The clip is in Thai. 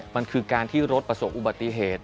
มันคือการที่รถประสบอุบัติเหตุ